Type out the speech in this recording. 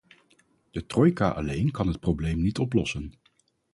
De trojka alleen kan het probleem niet oplossen.